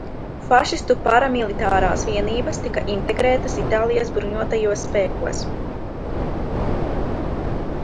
Fašistu paramilitārās vienības tika integrētas Itālijas bruņotajos spēkos.